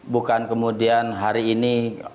bukan kemudian hari ini